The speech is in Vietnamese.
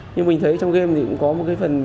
nhưng mình thấy trong game thì cũng có một cái phần